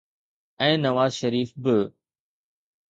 ۽ نواز شريف به.